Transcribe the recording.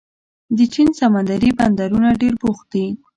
د چین سمندري بندرونه ډېر بوخت دي.